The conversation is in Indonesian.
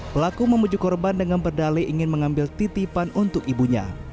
pelaku memujuk korban dengan berdali ingin mengambil titipan untuk ibunya